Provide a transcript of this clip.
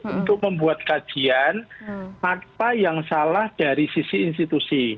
untuk membuat kajian apa yang salah dari sisi institusi